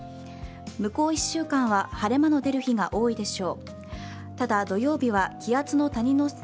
向こう１週間は晴れ間の出る日が多いでしょう。